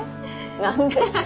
何ですか？